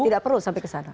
tidak perlu sampai ke sana